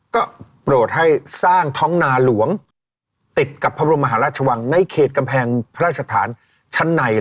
ก็โปรดให้สร้างท้องนาหลวงติดกับพระบรมมหาราชวังในเขตกำแพงพระราชฐานชั้นใน